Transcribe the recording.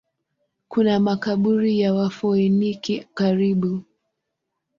Kuna makaburi ya Wafoeniki karibu.